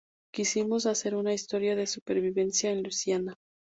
Quisimos hacer una historia de supervivencia en Luisiana.